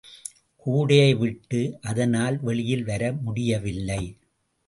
கூடையை விட்டு அதனால் வெளியில் வர முடிய வில்லை.